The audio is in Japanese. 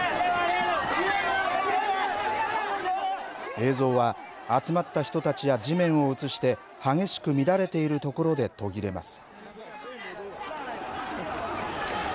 映像は集まった人たちや地面を映して激しく乱れているところで途切れます。